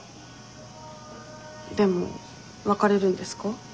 でも別れるんですか？